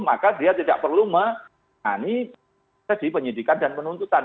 maka dia tidak perlu mengani tadi penyidikan dan penuntutan